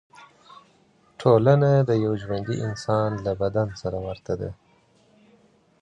ټولنه د یو ژوندي انسان له بدن سره ورته ده.